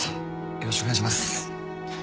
よろしくお願いします。